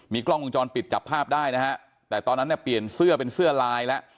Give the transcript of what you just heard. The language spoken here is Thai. กล้องวงจรปิดจับภาพได้นะฮะแต่ตอนนั้นเนี่ยเปลี่ยนเสื้อเป็นเสื้อลายแล้ว